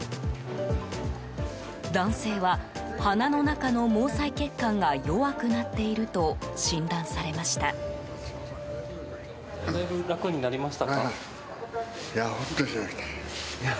男性は鼻の中の毛細血管が弱くなっていると診断されました。